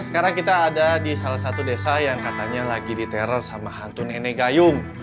sekarang kita ada di salah satu desa yang katanya lagi diteror sama hantu nenek gayung